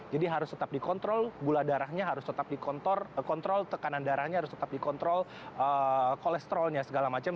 jadi harus tetap dikontrol gula darahnya harus tetap dikontrol tekanan darahnya harus tetap dikontrol kolesterolnya segala macam